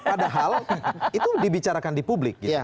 padahal itu dibicarakan di publik gitu